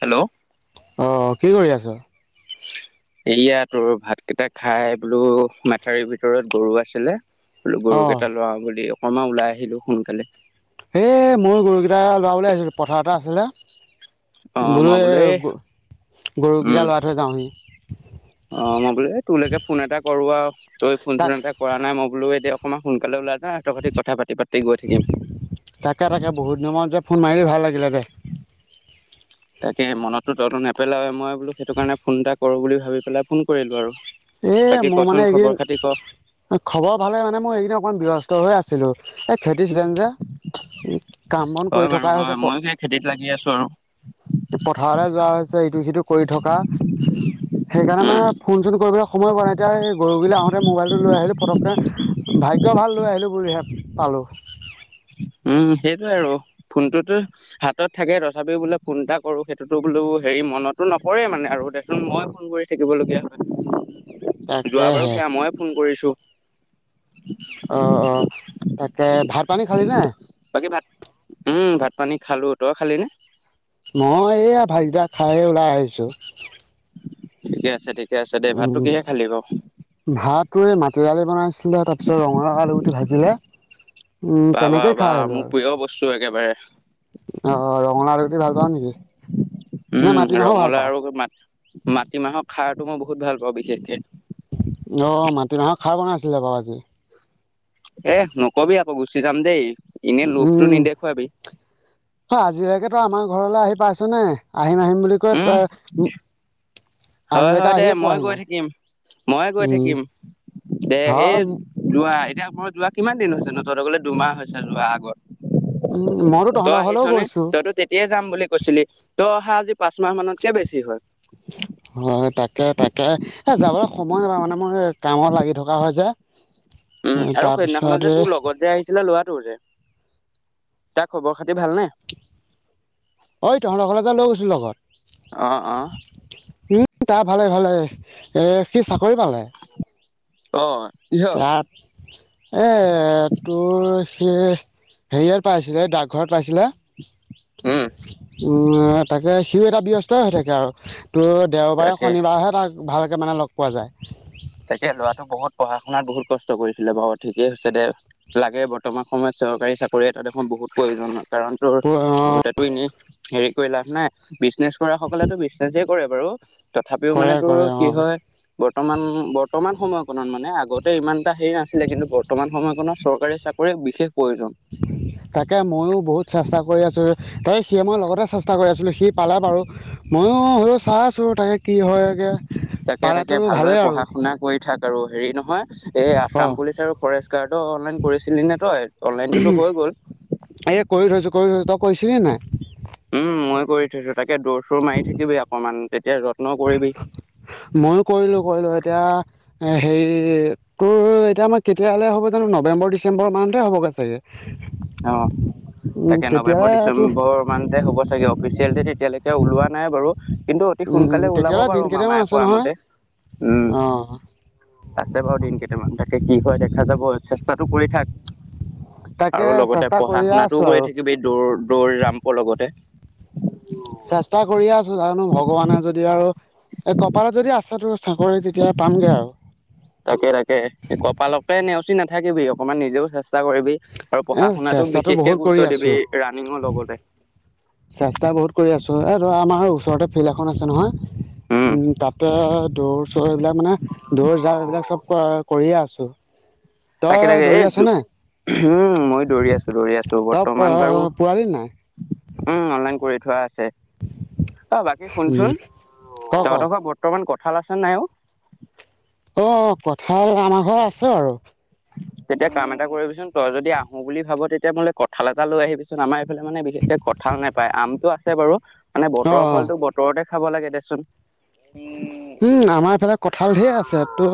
Hello অ কি কৰি আছা এইয়া তোৰ ভাত কেইটা খাই বোলো মাথাউৰিৰ ভিতৰত গৰু আছিলে বোলো অঁ গৰুকেইটা লৰাও বুলি অকমান ওলাই আহিলো সোনকালে হেই ময় গৰুকেইটা লৰাবলে আহিলো পথাৰতে এ আছিলে অ বোলো মই এ এই গ উম গৰুকেইটা লৰা থৈ যাওহি অ মই বোলো এ তোলৈকে ফোন এটা কৰো আৰু তই ফোন চোন তাক এটা কৰা নাই মই বোলো এ দক অকমান সোনকালে ওলাই যা তহতে কথা পাতি গৈ থাকিম। তাকে তাকে বহুত দিনৰ মূৰত যে ফোন মাৰিলি ভাল লাগিলে দে তাকে মনততো তইতো নেপেলাই মই বোলো সেইটো কাৰণে ফোন এটা কৰো বুলি ভাবি পেলাই ফোন কৰিলো আৰু এ বাকী মোৰ কচোন মানে খবৰ এইদিন খাতি ক? খবৰ ভালে মানে মই এইদিন অকমান ব্যস্ত হৈ আছিলো তাকে দিছিলেন যে কাম বন হয় কৰি বাৰু থকা হয় হৈছে ময়ো সেই খেতিত লাগি আছো পথ আৰু কৰি থকা সেইকাৰণে উম। মানে ফোন চোন কৰিবলৈ সময় পোৱা নাই এতিয়া এই গৰুবিলা আহোঁতে মোবাইলটো লৈ আহিলোঁ ফটকে ভাগ্য ভাল লৈ আহিলো বুলিহে পালো উম সেইটোৱে আৰু ফোনটোতো হাতত থাকে তথাপিও বোলে ফোন এটা কৰো সেইটোতো বোলো হেৰি মনততো নপৰেই মানে আৰু দেছোন মই ফোন কৰি থাকিবলগীয়া হয় যোৱা বাৰু তাকেহে সেয়া মই ফোন কৰিছো অ অ তাকে ভাত পানী খালি নাই বাকি ভাত উ ভাত পানী খালো তই খালি নে মই এইয়া ভাতকিটা খাইয়ে ওলাই আহিছো ঠিকে আছে দেই উ ভাত মানে মাটি দালি বনাইছে তাৰপিছত ৰঙালাও আলুগুটি ভাজিলে উম বা বা তেনেকেই বা মোৰ প্ৰিয় বস্তু একেবাৰে আহ ৰঙালাও ৰুতি ভাল পাওঁ নেকি উ নে মাটিমাহো ভাল ৰঙালাও পাওঁ আৰু মা মাটিমাহৰ খাৰটো মই বহুত ভাল পাওঁ বিশেষকে অ মাটিমাহৰ খাৰ বনাইছিলে বাৰু আজি এ নকবি আকৌ গুচি যাম দেই এনেই উ লোভটো নেদেখুৱাবি আ ৰাতিকে আমাৰ ঘৰলৈ আহি পাইছ নে আহিম আহিম বুলি কৈ উম তই হয় আজিলৈকে হয় দে আহিয়ে মই পোৱাহি গৈ নাই থাকিম ময়ে গৈ উম থাকিম দে হয় সেই উম যোৱা এতিয়া মই যোৱা কিমান দিন হৈছেনো তহতৰ গলে দুমাহ হৈছে যোৱা আগত মইতো তই তহঁতৰ আহিছ ঘৰলৈও নে গৈছো তইতো তেতিয়াই যাম বুলি কৈছিলি তই অহা পা চ মাহ মানতকেও বেছি হ'ল হয় তাকে তাকে এ যাবলৈ সময় নাপাও মানে মই কামত লাগি থকা হয় আজা উ আৰু সেইদিনাখনত যে তোৰ লগত যে আহিছিলে লৰাটো যে তাৰ খবৰ খাতি ভালনেে ঐ তহঁতৰ ঘৰলৈ যে লৈ গৈছিলো লগত অ অ তা ভালে ভালে এ সি চাকৰি পালে অ কিহত তাত এ তোৰ স হেৰিয়াত পাইছিলে ডাকঘৰত পাইছিলে উম উ তাকে সিও এটা ব্য্স্ত হৈ থাকে আৰু তো দেওবাৰে তাকে শনিবাৰেহে তাক ভালকৈ মানে লগ পোৱা যায় তাকে ল'ৰাটো বহুত পঢ়া শুনাত বহুত কষ্ট কৰিছিলে বাৰু ঠিকেই হৈছে দে লাগে বৰ্তমান সময়ত চৰকাৰী চাকৰি এটা দেখোন বহুত প্ৰয়োজন কাৰণ তোৰ ঘতেো এনে হেৰি কৰি লাভ নাই বিজনেছ কৰা সকলেেতো বিজনেছে কৰে বাৰু তথাপিও কৰে মানে তোৰ কৰে কি অ হয় বৰ্তমান বৰ্তমান সময়কণত মানে আগতে ইমান এটা হেৰি নাছিলে কিন্তু বৰ্তমান সময়কণত চৰকাৰী চাকৰি বিশেষ প্ৰয়োজন তাকে ময়ো বহুত চেষ্টা কৰোঁ কৰি আছো তাক সি মই লগতে চেষ্টা কৰি আছিলো সি পালে বাৰু ময়ো হলেও চাই আছো তাকে কি হয়গে পালাটো ভালেই আৰু কাৰো হেৰি নহয় এই অঁ আসাম পুলিচ আৰু ফৰেষ্ট গাৰ্ডো অনলাইন কৰিছিলি নে তই অনলাইনটোতো হৈ গ'ল এ কৰি থৈছো কৰি থৈছো তই কৈছিলি নাই উম মই কৰি থৈছো তাকে দৌোৰ চোৰ মাৰি থাকিবি অকমান তেতিয়া যত্ন কৰিবি ময়ো কৰিলো কৰিলো এতিয়া এ হেৰি তোৰ এতিয়া মই কেতিয়ালে হ'ব জানো নৱেমৰিচেম্বৰ মানহতে হ'বৈছোগ অ তাকে নৱেম্বৰ তেতিয়ালৈ তোৰ ডিচেম্বৰ মানতে হ'ব চাগে অফিচিয়েল এতিয়ালৈকেওলোৱা নাই বাৰ কিন্তু অতি উম সোনকালে ওলাব তেতিয়ালৈ দিন বাৰু কেইটামান মামায় আছে কোৱা নহয় মতে অঁ উম। আছে বাৰু দিন কেইটামান তাকে কি হয় দেখা যাব চেষ্টাটো কৰি থাক। তাকে আৰু লগতে চেষ্টা পঢ়া কৰিয়ে শুনাটোও আছোঁ কৰি আৰু থাকিবি এই দৌ দৌৰি ৰাম্পৰ লগতে। চেষ্টা কৰিয়ে আছো জানো ভগৱানে যদি আৰু এই কপালত যদি আছে তো চাকৰি তেতিয়া পামগে আৰু। তাকে তাকে কপালকে নেওচি নাথাকিবি অকনমান নিজেও চেষ্টা কৰিবি। আৰু এ পঢ়া শুনাতো চেষ্টাটো বিশেষকে বহুত কৰি গুৰুত্ব আছো দিবি ৰাণিঙৰ লগতে। চেষ্টা বহুত কৰি আছো এ ধ আমাৰ ওচৰতে ফিল্ড এখন আছে নহয়। উম। উম তাতে দৌৰ চৌৰ এইবিলাক মানে দৌৰ যওঁ এইবিলাক চব কৰিয়ে আছো। তাকে তই তাকে এ দৌৰি আছ নে উম মই দৌৰি আছো দৌৰি আছো তই বৰ্তমান বাৰু পোৱালি নাই উম অনলাইন কৰি ঠোৱা আছে অ বাকী উম শুনচোন ক ক তহতখৰ বৰ্তমান কঠাল আছে ন নাই উ? অ', কঠাল আমাৰ ঘৰত আছে বাৰো। তেতিয়া কাম এটা কৰিবিচোন তই যদি আহো বুলি ভাব তেতিয়া মোলে কঁঠাল এটা লৈ আহিবিচোন আমাৰ এইফালে মানে বিশেষকে কঁঠাল নাপায় আমটো আছে বাৰু। মানে অ বতৰৰ অ ফলতো বতৰতে খাব লাগে দেচোন। উম আমাৰ এইফালে কঠাল ধেৰ আছে তো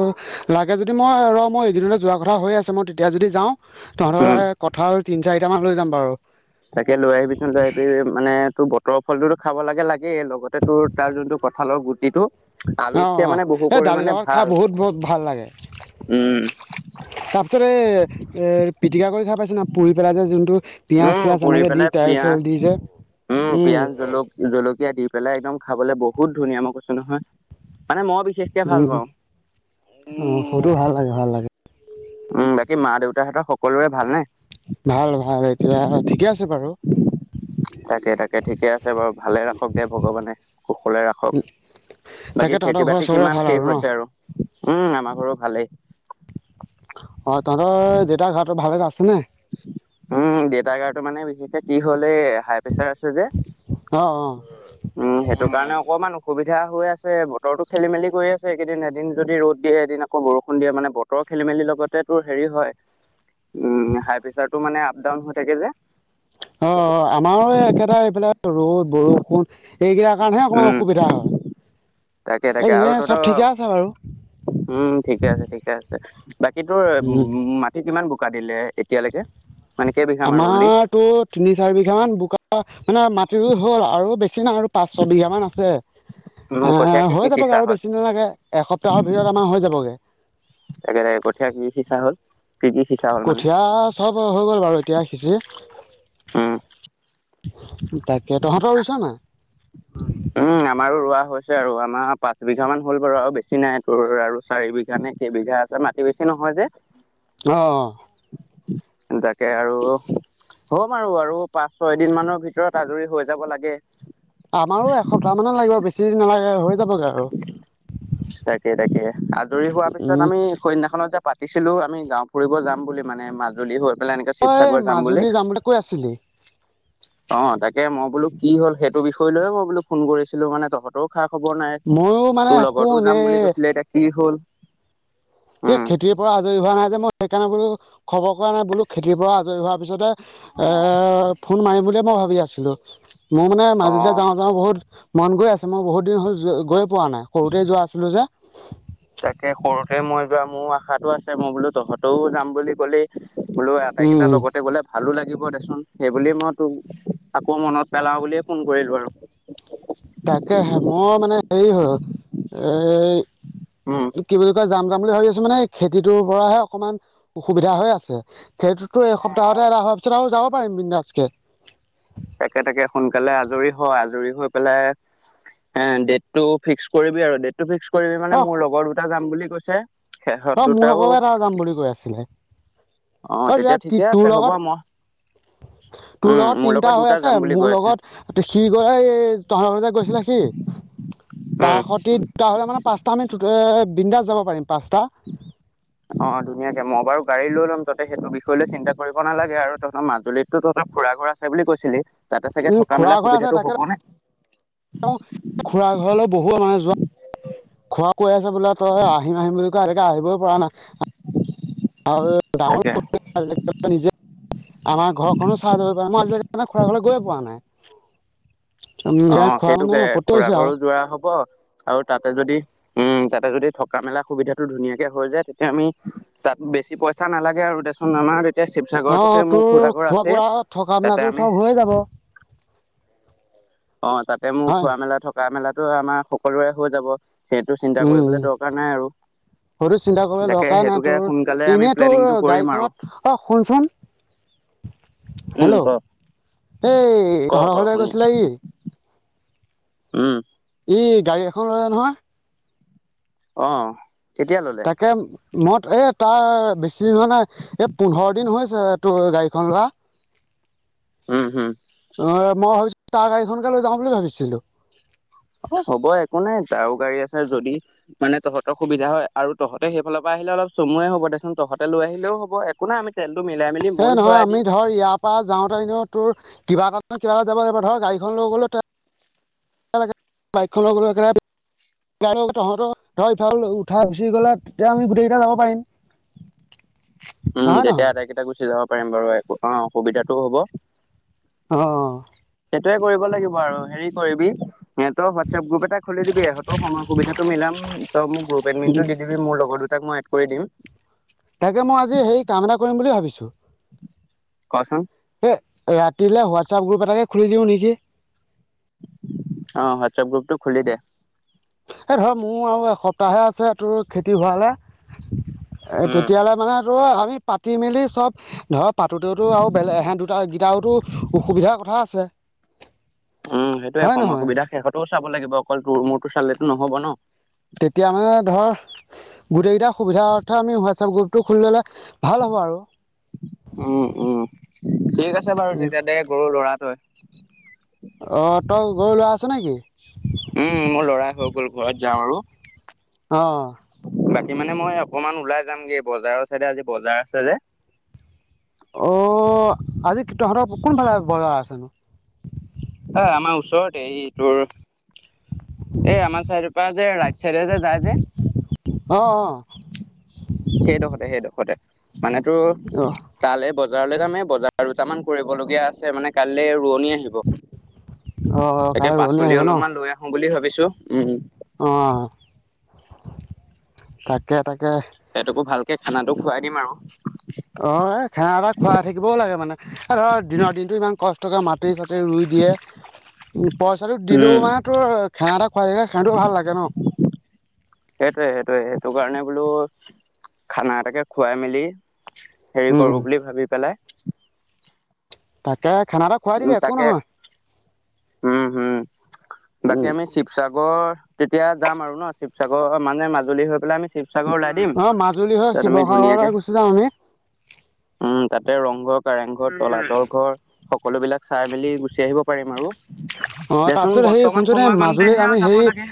লাগে য যদি মই ৰ মই এইকদিনলৈ যোৱা কথা হৈ আছে মই তেতিয়া যদি যাওঁ তেহ'লে উম কথা তিনি চাৰটামান লৈ যাম বাৰু। তাকে লৈ আহিবিচোন লৈ আহিবি মানে তোৰ বতৰৰ ফলটোতো খাব লাগে লাগে লগতে তোৰ তাৰ যোনটো কঁঠালৰ গুটি টো অ', অ', এই দালি লগঙৰ খাই ভাল বহুত বহুত ভাল লাগে। উম তাৰপিছত এ পিটিকা কৰি খাই পাইছ পুৰি পেলাই যে যোনটো পিয়াজ উম চিয়াজ পুৰি এনেকে দি পেলাই তেল চেল পিয়াজ দি যে উম পিয়াজ জ জলকীয়া দি পেলাই একদম খাবলৈ বহুত ধুনীয়া মই কৈছো নহয় মানে মই বিশেষকে ভাল উম পাওঁ অ', সুতো ভাল লাগে ভাল লাগে। উম বাকী মা দেউতাহতৰ সকলোৰে ভালনেে? ভাল ভাল এতিয়া ঠিকে আছে বাৰু। তাকে তাকে ঠিকে আছে বাৰু ভালে ৰাখক দে ভগৱানে কুশলে ৰাখক। তাকে বাকী তহঁতৰ খেতি ঘৰৰ বাতি চবৰে কিমান ভাল শেষ ন হৈছে আৰু উম আমাৰ ঘৰো ভালেই। অ', তহঁতৰ দেতা ঘৰতৰ ভালে নাছিল উম দেউতা গাৰটো মানে বিশেষকে কি হ'ল। এ হাই প্ৰেচাৰ আছে যে অ অ উম সেইটো কাৰনে অকমাণ অসুবিধা হৈ আছে বতৰটো খেলি মেলি কৰি আছে একেইদিন এদিন যদি ৰ'দ দিয়ে এদিন আকৌ বৰষুণ দিয়ে মানে বতৰ খেলি মেলি লগতে টোৰ হেৰী হয় উম হাই টো মানে আপ ডাউন হৈ থাকে যে। অ', আমাৰো একেটাাৰে এইবিলাক ৰ'দ বৰষুণ এই য়াৰ কাৰণেহে অকণমান উম অসুবিধা তাকে তাকে হয় আৰু এনেই তহঁতৰ চব ঠিকে আছে বাৰু। উম ঠিকে আছে ঠিকে আছে বাকী তোৰ উম মাটি কিমান বোকা দিলে এতিয়ালৈকে। মানে কেইবিঘা মান ৰুলি আমাৰতো তিনি চাৰি বিঘা মান বোকা মানে মাটি ৰুই হ'ল আৰু বেছি নিচিনা আৰু পাঁচ ছ বিঘা মান আছে। মোৰ এ কঠীয়া কি কি হৈ যাবগে সিঁচা আৰু হ'ল বেছি দিন লাগে এসপ্তাহৰ ভিতৰত আমাৰ হৈ যাবগে। একে কঠীয়া কি সিঁচা হ'ল? কি কি সিঁচা হ'ল মানে কঠিয়ীয়া চব হৈ গ'ল বাৰু এতিয়া সিঁচি। উম তাকে তহঁতৰ ৰুইছ নাই? উম আমাৰো ৰোৱা হৈছে আৰু আমাৰ পাঁচ বিঘা মান হ'ল বাৰু আৰু বেছি নাই তোৰ আৰু চাৰি বিঘা নে কেইবিঘা আছে মাটি বেছি নহয়। মই যে অ অ তাকে আৰু হ'ম আৰু আৰু পাঁচ ছয় দিন মানৰ ভিতৰত আজৰি হৈ যাব লাগে আমাৰো এসপ্তাহ মানে লাগিব বেছি নালাগে হৈ যাবগে আৰু তাকে তাকে আজৰি হোৱাৰ পিছত উম আমি কন্যাখনত যে পাতিছিলো আমি গাওঁ ফুৰিব যাম বুলি মানে মাজুলী হ'ল পেললে এনেকে তই শিৱসাগৰ যাম বুলি মাজুলী কৈ আছিলি অ তাকে মই বোলো কি হ'ল সেইটো বিষয় লৈয়ে মই বোলো ফোন কৰিছিলো মানে তহঁতক খা খবৰ নাই ময়ো মানে তোৰ লগতো শুন যাম এই বুলি কৈছিলে এতিয়া কি হ'ল যে উম খেতিৰ পৰা আজৰি হোৱা নাই যে মই সেইকাৰণে বো খবৰ কৰা নাই বোলো খেতিৰ পৰা আজৰি হোৱাৰ পিছতে এ ফোন মাৰিম বুলিয়ে মই ভাবি আছিলো মোৰ মানে অ মাজুললৈ যাওঁ যাওঁ বহুত মন গৈ আছে মই বহুত দিন হল গৈে পোৱা নাই সৰুতে যোৱা আছিলো যে তাকে সৰুতে মই যোৱা মোৰ আশাতো আছে মই বোলো তহঁতেও যাম বুলি ক'লেই বোলো আটাইকেইটা উম লগতে গ'লে ভালো লাগিব দেচোন সেইবুলিয়ে মই তোক আকৌ মনত পেলাওঁ বুলিয়ে ফোন কৰিলো আৰু তাকেে মোৰ মানে হেৰি হ'ল উম এ কি বুলি কোৱা যাম যাম বুলি ভাবি আছো মানে খেতিটোৰ পৰাহে অকনমান অসুবিধা হৈ আছে খেইটোতো এই সপ্তাহতে অ হাৰ পিছত আৰু যাব পাৰিম বি আজকে তাকে তাকে সোনকালে আজৰি হয় আজৰি হৈ পেলাই এ ডেট টো ফিক্স কৰিবি আৰু ডেট টো ফিক্স কৰিবি অ মানে মোৰ লগৰ দুটা যাম বুলি কৈছে সেহঁত অ মোৰ দুটাও লগক এটা যাম বুলি কৈ আছিলে অ তেতিয়া আৰু ঠিকে আছে তোৰ হ'ব মই লগত তোৰ উম লগত মোৰ তিনটা হৈ দুটা আছে যাম বুলি মোৰ কৈ আছে। লগত সি গৈ তহঁৰ ঘতে গৈছিলে সি তাৰ উম। সতি দুটা হলে মানে পাঁচটা আমি বিন্ন্দা যাব পাৰিম পাঁচটা উম অ ধুনীয়াকে মই বাৰু গাড়ী লৈ ল'ম তাতে সেইটো বিষয় লৈ চিন্তা কৰিব নালাগে আৰু তহত মাজুলীতো তহ খুৰা ঘৰ আছে বুলি কৈছিলি তাতে চাগে থকা মেলা সুবিধাটো হব নে তেওঁ খুৰা ঘৰলৈ বহু মানুহে যোৱা আহিব পৰা নাইাৰ তাকে নিে আমাৰ ঘৰখনো চাহ্যাব প ম খোৰা ঘ গৈ পোৱা নাই অ সেইকাৰণে খুৰা মানে সেইটোকে আপত্তি খুৰা কৰিছে আৰু ঘৰো যৰা হব আৰু তাতে যদি উম তাতে যদি থকা মেলা সুবিধাটো ধুনীয়াকে হৈ যায় তেতিয়া আমি তাত বেছি পইচা নালাগে আৰু টেশচনাৰ এতিয়া অ' শিৱসাগৰৰতোহে মোৰ তোৰ খুৰা ঘৰ খোৱা আছে বোৱা থকা মেলাটো তাতে আমি চব হৈয়ে যাব অ তাতে মোৰ হয় খোৱা নাই মেলা থকা মেলাতো আমাৰ সকলোৰে হৈ যাব সেইটো চিন্তা কৰিবলৈ উম দৰকাৰ নাই আৰু সেইটো চিন্তা কৰিবলৈ তাকে দৰকাৰেই নাই সেইটোকে তোৰ সোনকালে আমি এনেই তোৰ প্লেনিংটো কৰিম আৰু গাড়ীখনত অ' শুনচোন উম হেল্ল' এই কও ক ক তহঁতৰ ঘৰলৈ শুনি গৈছিলে আছো ই উম ই গাড়ী এখন ল'লে নহয় অ কেতিয়া ললে তাকে মদ এ তাৰ বেছি দিন হয় নাই এই পোন্ধৰ দিন হৈছে গাডীখন লা উম হম মই ভাবিছিলো তাৰ গাড়ীখনকে লৈ যাওঁ বুলি ভাবিছিলো অ হ'ব একো নাই ত গাড়ী আছোৰ যদি মানে তহঁতৰ সুবিধা হয় আৰু তহঁতে সেইফালৰ পৰা আহিলে অলপ চমুৱে হব দেচোন তহঁতে লৈ আহিলেও হব একো নাই আমি মিলাই মেলি এ ময়ো নহয় ভৰাই আমি দিম ধৰ ইয়াৰ পৰা যাওঁতেই ন তোৰ কিবা এটা নহ কিব এ য লাগিব ধৰক গাড়ীখন লৈ গ'লেও বাই লগ গাড়ী তহঁতৰ সফাল উঠা গুচি গলা তেতিয়া আমি গোটেই কেইটা যাব পাৰিম। [inaudible] উম নহয় তেতিয়া নহয় আটাইকেইটা গুচি যাব পাৰিম বাৰু একো অ অসুবিধাতটো হব। অ'। সেইটোয়ে কৰিব লাগিব আৰু হেৰি কৰিবি এ তই হোৱাটছএপ গ্ৰুপ এটা খুলি দিবিহঁত সময়ৰ সুবিধাটো মিলাম ত মোক গ্ৰুপ এডমিটটো দি দিবি মোৰ লগত তাক মই এড কৰি দিম। এ কচোন ৰাতিলে হোৱা চিচফ গ্ৰুপ এটাকে খুলি দিওঁ নেকি? অ হোৱাটছআপ গ্ৰুপটো খুলি দে। এ ধৰ মোৰ আৰু এসপ্তাহে আছে তোৰ খেতি হৰালে এ উম তেতিয়াললে মানে তো আমি পাতি মেলি চব ধৰক পাতোঁতেওতো আৰু বেলেগেন দুটা গেইটাতো অসুবিধাৰ কথা আছে। উম সেইটোয়ে হয় সময় নহয় সুবিধা শেষতও চাব লাগিব অকল তোৰ মোৰতো চালেতো নহব ন। তেতিয়া মানে ধৰ গোটেই কেইটা সুবিধা অৰ্থ আমি হোৱাটছএপ গ্ৰুপটো খুলি ললে ভাল হ'ব আৰু উম উম ঠিক আছে বাৰু তেতিয়া দে গৰু লৰাটোৱ [inaudible] অ তই গৰু লোৱা আছ নেকি? উম মোৰ লৰাই হৈ গ'ল ঘৰত যাম আৰু। আহ। বাকী মানে মই অকমান ওলাই যামগে বজাৰৰ চাইডে আজি বজাৰ আছে যে। অ আজি তহঁতৰক কোনফালে বজাৰ আছেনো? অ আমাৰ ওচৰতে এই টোৰ এই আমাৰ চাইড পৰা যে ৰাই চাইড যে যায় যে। অ'। মান তো অঁ তালে বজাৰলৈ যামেই বজাৰ দুটামান কৰিবলগীয়া আছে মানে কালি ৰোৱনি আহিব, অঁ তাকে কাইলৈ ৰোৱনী পাচলি অলপমান লৈ আহো বুলি ভাবিছো। উম অ' তাকে তাকে। সিহঁতকো ভালকে খানাটো খোৱাই দিম আৰু। অ এ খেহা এটা খুৱাই থাকিবও লাগে মানে ধ দিনৰ দিনতটো ইমান কষ্টক মাটি চ তা ৰুই দিয়ে। উ পইচাটো উম। দিলোও মানে তোৰ খানা এটা খুৱাই থে খানটো ভাল লাগে ন। সেইটোৱে সেইটয়ে সেইটো কাৰণে বোলো খানা এটাকে খুৱাই মেলি হেৰি উম কৰো বুলি ভাবি পেলাই তাকে খানা এটা খুৱাই উম দিবি একো তাকে নহয়। উম হম বাকী আমি শিৱসাগৰ তেতিয়া যাম আৰু ন শিৱসাগৰ মানে মাজুলী হৈ পেলাই আমি শিৱসাগৰ ওলাই দিম অঁ মাজুলী হৈ তাত আমি শিৱসাগৰলৈ ধুনীয়াকে গুচি যাম আমি উ তাতে ৰংঘৰ কাৰেংঘৰ তলাতল ঘৰ সকলো বিলাক চাই মেলি গুচি আহিব পাৰিম আৰু। অ দেচোন তাৰিছত সেই বৰ্তমান শুনচোন মাজুলীত সময়কণতেহে আমি যাব হেই লাগে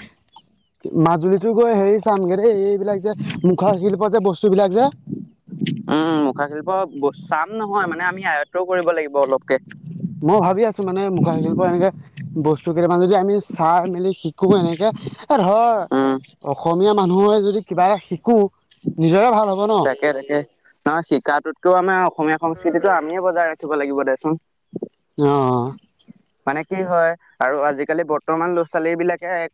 মাজুলীতো গৈ হেৰি চামগে দেই এইবিলাক যে মুখা শখিলোপোৱা যে বস্তু। উম মুখা শিল্প চা কাম নহয় মানে আমি আয়ত্বও কৰিব লাগিব অলপকে। মই ভাবি আছো মানে মুখা চখ পৰা এনেকে বস্তু কেইটামান যদি আমি চাই মেলি শিকো এনেকে এ ধৰ উম অসমীয়া মানুহে যদি কিবা এটা শ নিজৰে ভাল। তাকে তাকে নহয় শিকাটোতকেও আমাৰ অসমীয়া সংস্কৃতিতটো আমিয়ে বজাই ৰাখিব লাগিব দে। অ', মানে কি হয় আৰু আজিকালি বৰ্তমান ল'ৰা ছোৱালী বিলাকে